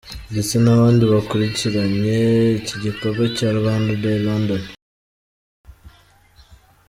ndetse nabandi bakurikiranye iki gikorwa cya Rwanda Day London.